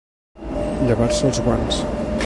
Llevar-se els guants.